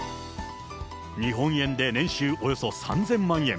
日本円で年収およそ３０００万円。